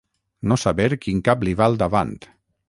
No saber quin cap li va al davant.